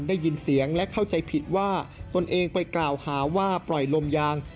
ได้ยินเสียงและเข้าใจผิดว่าตนเองไปกล่าวหาว่าปล่อยลมยาง